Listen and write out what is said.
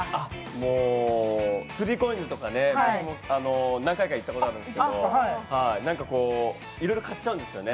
もう３ＣＯＩＮＳとか何回か行ったことあるんですけどなんかこう、いろいろ買っちゃうんですよね。